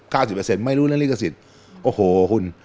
สิบเปอร์เซ็นไม่รู้เรื่องลิขสิทธิ์โอ้โหคุณ